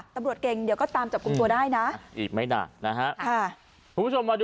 ตำรวจเก่งเดี๋ยวก็ตามจบกลุ่มตัวได้นะอีกไม่ดักนะฮะค่ะผู้ชมมาดู